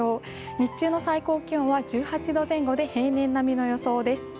日中の最高気温は１８度前後で平年並みの予想です。